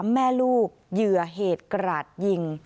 แม่ลูกเหยื่อเหตุกราดยิง